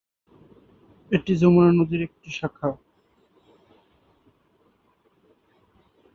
এটি যমুনা নদীর একটি শাখা।